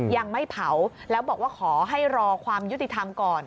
ยังไม่เผาแล้วบอกว่าขอให้รอความยุติธรรมก่อน